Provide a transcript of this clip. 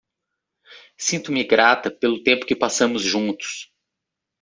Sinto-me grata pelo tempo que passamos juntos.